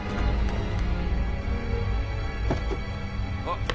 あっ！